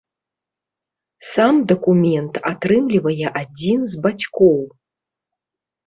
Сам дакумент атрымлівае адзін з бацькоў.